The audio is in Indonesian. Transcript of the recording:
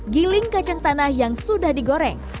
giling kacang tanah yang sudah digoreng